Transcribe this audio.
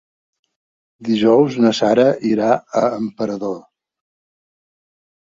Dijous na Sara irà a Emperador.